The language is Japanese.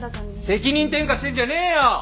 責任転嫁してんじゃねえよ！